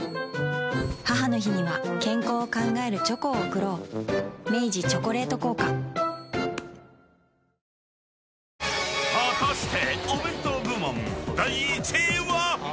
母の日には健康を考えるチョコを贈ろう明治「チョコレート効果」［果たして］